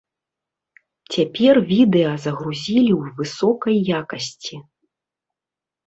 Цяпер відэа загрузілі ў высокай якасці.